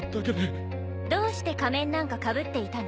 どうして仮面なんかかぶっていたの？